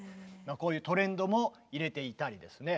こういうトレンドも入れていたりですね。